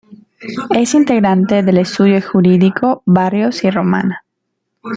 Es integrante del Estudio Jurídico Barrios y Román.